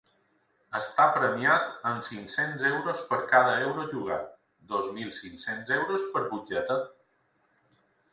Està premiat amb cinc-cents euros per cada euro jugat, dos mil cinc-cents euros per butlleta.